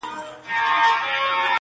o پلار یې ویل څارنوال ته وخت تېرېږي,